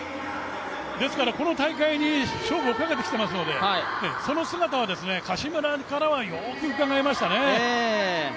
ですから、この大会に勝負をかけてきていますので、その姿は柏村からはよくうかがえましたね。